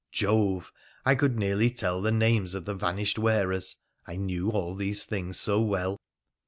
Jove ! I could nearly tell the names of the vanished wearers, I knew all these things so well